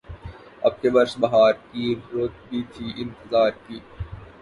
اب کے برس بہار کی‘ رُت بھی تھی اِنتظار کی